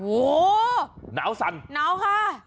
โอ้โหหนาวสั่นหนาวค่ะ